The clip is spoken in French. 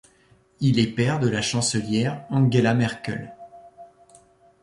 Il est père de la chancelière Angela Merkel.